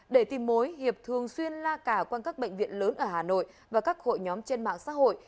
để tìm mối hiệp thường xuyên la cả quanh các bệnh viện lớn ở hà nội và các hội nhóm trên mạng xã hội